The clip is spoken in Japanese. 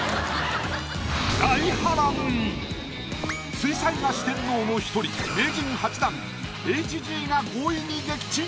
水彩画四天王の１人名人８段ＨＧが５位に撃沈。